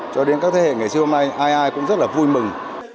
cho đến các thế hệ nghệ sĩ hôm nay ai ai cũng rất là vui mừng